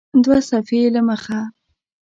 دوه صفحې یې له مخه